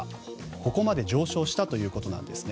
ここまで上昇したということなんです。